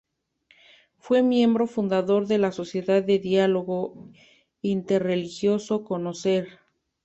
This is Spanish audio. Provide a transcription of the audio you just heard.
Fue miembro fundador de la Sociedad de Diálogo Interreligioso Conocer.